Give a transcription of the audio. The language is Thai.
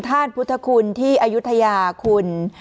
ท่านพุทธคุณที่อยุธยาคุณ